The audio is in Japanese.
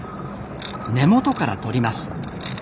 根元からとります。